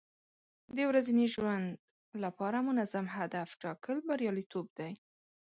د ورځني ژوند لپاره منظم هدف ټاکل بریالیتوب دی.